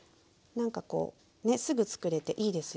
何かこうねすぐ作れていいですよね。